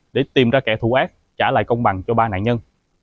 để tìm ra kẻ thù ác trả lại công bằng cho ba nạn nhân